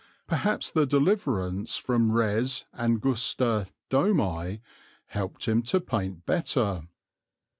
Perhaps the deliverance from res angusta domi helped him to paint better.